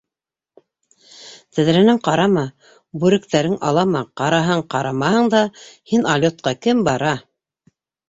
Тәҙрәнән ҡарама, бүректәрең алама, Ҡараһаң, ҡарамаһаң да, һин алйотҡа кем бара...